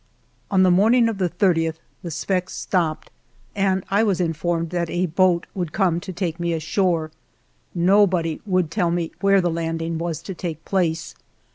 On the morning of the 30th the Sfax stopped, and I was informed that a boat would come to take me ashore. Nobody would tell me where the landing was to take place.